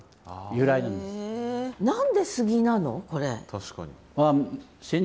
確かに。